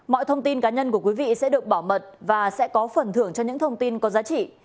mọi thông tin cá nhân của quý vị sẽ được bảo mật và sẽ có phần thưởng cho những thông tin có giá trị